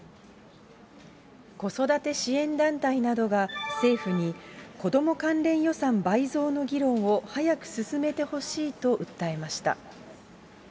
子育て支援団体などが、政府に子ども関連予算倍増の議論を早く進めてほしいと訴えました。